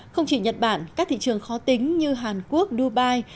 không chỉ nhật bản các thị trường khó tính như hàn quốc dubai